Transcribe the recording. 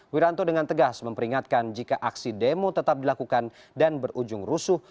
wiranto dengan tegas memperingatkan jika aksi demo tetap dilakukan dan berujung rusuh